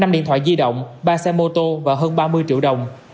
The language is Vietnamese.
năm điện thoại di động ba xe mô tô và hơn ba mươi triệu đồng